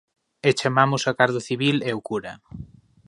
E chamamos a garda civil e o cura.